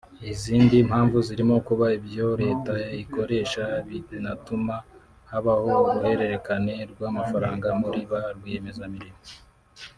Izindi mpamvu zirimo kuba ibyo Leta ikoresha binatuma habaho uruhererekane rw’amafaranga muri ba rwiyemezamirimo